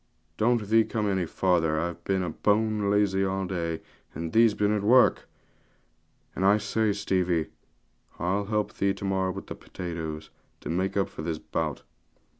Don't thee come any farther, I've been bone lazy all day, and thee's been at work. And I say, Stevie, I'll help thee with the potatoes to morrow, to make up for this bout.'